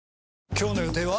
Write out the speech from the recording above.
今日の予定は？